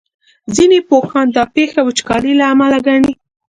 ځینې پوهان دا پېښه وچکالۍ له امله ګڼي.